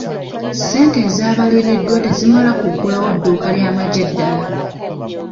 Ssente ezaabaliriddwa tezimala kuggulawo dduuka ly'amagye ddala.